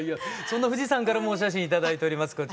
そんな藤さんからもお写真頂いております。